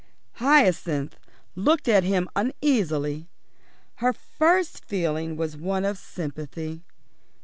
Hyacinth looked at him uneasily. Her first feeling was one of sympathy.